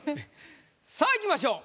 さあいきましょう。